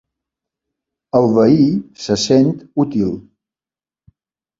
El veí se sent útil.